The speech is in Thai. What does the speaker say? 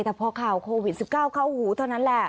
แต่พอข่าวโควิด๑๙เข้าหูเท่านั้นแหละ